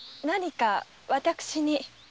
何か私に？